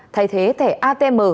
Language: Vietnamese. thay thế thẻ atm